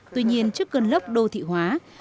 tuy nhiên trước cơn lốc đô thị hóa